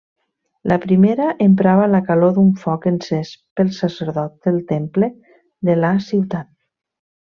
La primera emprava la calor d'un foc encès pel sacerdot del temple de la ciutat.